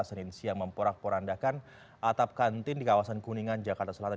senin siang memporak porandakan atap kantin di kawasan kuningan jakarta selatan